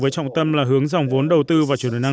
với trọng tâm là hướng dòng vốn đầu tư và chuyển đổi năng lượng